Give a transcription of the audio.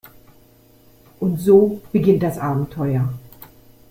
Und so beginnt das Abenteuer.